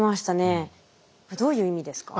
これどういう意味ですか？